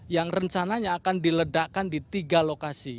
yang rencananya akan diledakkan di tiga lokasi